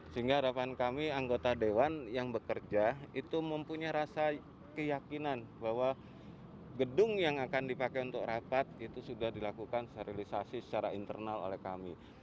sehingga harapan kami anggota dewan yang bekerja itu mempunyai rasa keyakinan bahwa gedung yang akan dipakai untuk rapat itu sudah dilakukan sterilisasi secara internal oleh kami